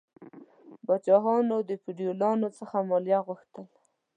پاچاهانو له فیوډالانو څخه مالیه غوښتل.